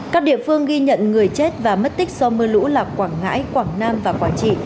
các địa phương ghi nhận người chết và mất tích do mưa lũ là quảng ngãi quảng nam và quảng trị